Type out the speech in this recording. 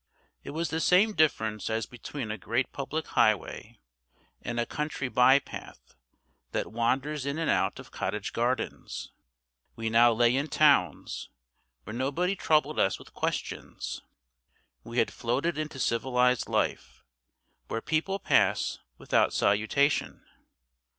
It was the same difference as between a great public highway and a country by path that wanders in and out of cottage gardens. We now lay in towns, where nobody troubled us with questions; we had floated into civilised life, where people pass without salutation.